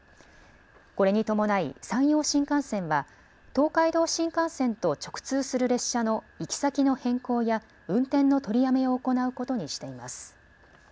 これに伴い山陽新幹線は東海道新幹線と直通する列車の行き先の変更や運転の取りやめを行うことにしています。